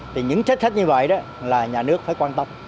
thì những trách thách như vậy đó là nhà nước phải quan tâm